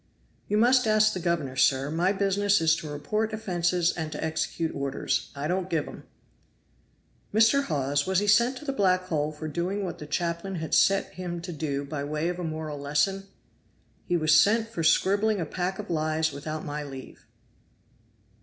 "You must ask the governor, sir. My business is to report offenses and to execute orders; I don't give 'em." "Mr. Hawes, was he sent to the black hole for doing what the chaplain had set him to do by way of a moral lesson?" "He was sent for scribbling a pack of lies without my leave."